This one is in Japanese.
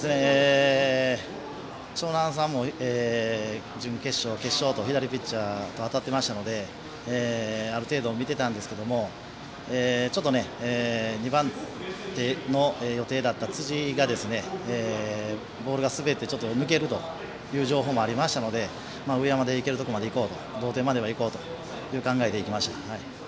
樟南さんも準決勝、決勝と左ピッチャーと当たってましたのである程度見ていたんですけどちょっと、２番手の予定だった辻がボールが滑って抜けるという情報もありましたので上山でいけるところまでいこうと同点まではいこうという考えでいきました。